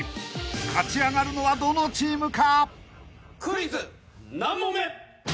［勝ち上がるのはどのチームか？］